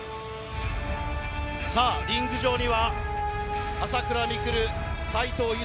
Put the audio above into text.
リング上には朝倉未来、斎藤裕